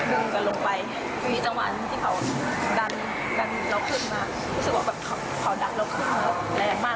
ก็แน่ลงไปมีสันวันที่เขาดันเราขึ้นมา